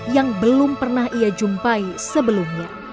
yang belum pernah ia jumpai sebelumnya